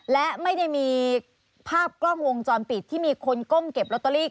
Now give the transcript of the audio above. และไม่ได้มีภาพกล้องวงจรปิดที่มีคนก้มเก็บลอตเตอรี่